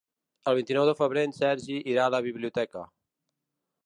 El vint-i-nou de febrer en Sergi irà a la biblioteca.